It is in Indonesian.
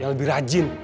yang lebih rajin